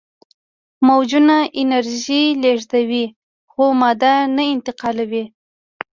موجونه انرژي لیږدوي خو ماده نه انتقالوي.